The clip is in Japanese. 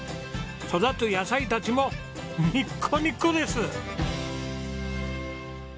育つ野菜たちもニッコニコです！